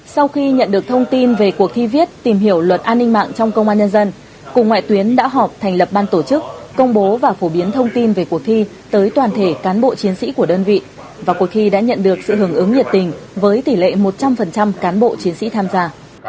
sau khi nhận được thông tin về cuộc thi viết tìm hiểu luật an ninh mạng trong công an nhân dân cục ngoại tuyến đã họp thành lập ban tổ chức công bố và phổ biến thông tin về cuộc thi tới toàn thể cán bộ chiến sĩ của đơn vị và cuộc thi đã nhận được sự hưởng ứng nhiệt tình với tỷ lệ một trăm linh cán bộ chiến sĩ tham gia